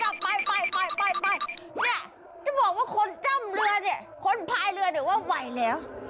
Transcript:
นี่อย่างเถอะจะบอกว่าคนจ้ำเรือคนพายเรือไว้แล้ว